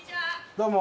どうも。